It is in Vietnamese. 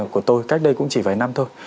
của tôi cách đây cũng chỉ vài năm thôi